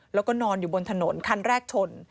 แล้วก็นอนอยู่บนถนนคันแรกชน